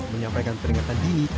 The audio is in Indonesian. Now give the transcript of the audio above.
menyampaikan peringatan dini